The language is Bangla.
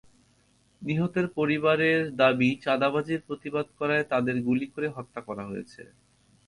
নিহতের পরিবারের দাবি চাঁদাবাজির প্রতিবাদ করায় তাঁদের গুলি করে হত্যা করা হয়েছে।